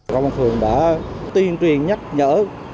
công an thường đã tuyên truyền nhắc nhở